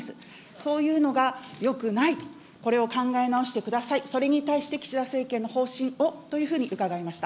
そういうのがよくないと、これを考え直してください、それに対して、岸田政権の方針をというふうに伺いました。